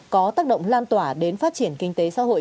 có tác động lan tỏa đến phát triển kinh tế xã hội